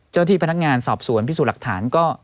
เจ้าที่พนักงานสอบสวนพิสูจน์หลักฐานก็